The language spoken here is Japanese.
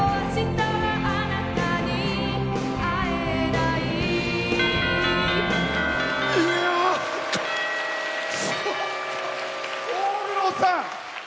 大黒さん！